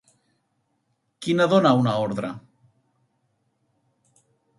Quina dona una ordre?